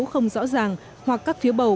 không rõ ràng hoặc các phiếu bầu